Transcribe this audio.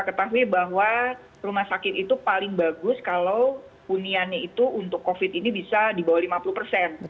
ketahui bahwa rumah sakit itu paling bagus kalau huniannya itu untuk covid ini bisa di bawah lima puluh persen